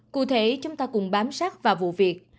cụ thể chúng ta cùng bám sát vào vụ việc